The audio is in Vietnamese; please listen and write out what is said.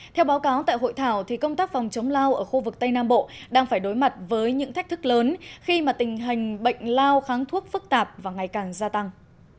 theo báo cáo tại hội thảo công tác phòng chống lao ở khu vực tây nam bộ đang phải đối mặt với những thách thức lớn khi mà tình hình bệnh lao kháng thuốc phức tạp và ngày càng gia tăng